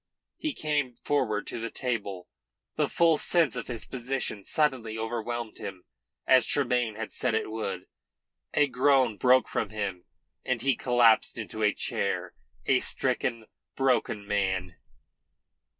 He came forward to the table. The full sense of his position suddenly overwhelmed him, as Tremayne had said it would. A groan broke from him and he collapsed into a chair, a stricken, broken man.